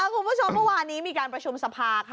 คุณผู้ชมเมื่อวานนี้มีการประชุมสภาค่ะ